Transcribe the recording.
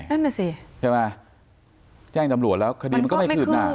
นั่นน่ะสิใช่ไหมแจ้งตำรวจแล้วคดีมันก็ไม่คืบหน้า